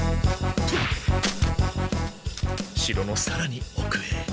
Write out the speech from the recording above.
城のさらに奥へ。